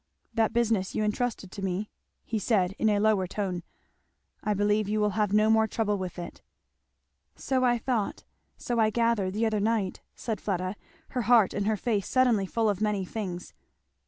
"That business you entrusted to me," he said in a lower tone, "I believe you will have no more trouble with it." "So I thought! so I gathered the other night, " said Fleda, her heart and her face suddenly full of many things.